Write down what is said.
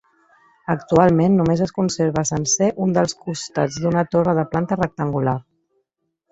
Actualment només es conserva sencer un dels costats d'una torre de planta rectangular.